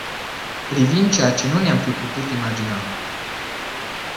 Privim ceva ce nu ne-am fi putut imagina.